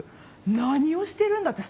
何をしてるんだって